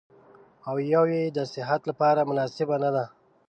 او يوه يې هم د صحت لپاره مناسبه نه ده.